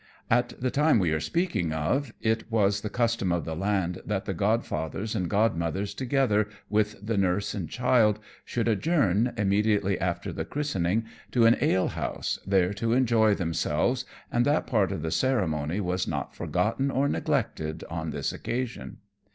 At the time we are speaking of it was the custom of the land that the godfathers and godmothers, together with the nurse and child, should adjourn, immediately after the christening, to an alehouse, there to enjoy themselves; and that part of the ceremony was not forgotten or neglected on this occasion.